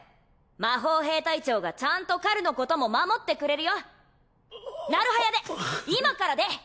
魔法兵隊長がちゃんとカルのことも守ってくれるよなる早で今からで！